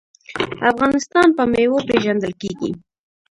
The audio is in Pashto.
افغانستان په میوو پیژندل کیږي.